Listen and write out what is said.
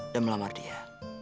dan melamar dia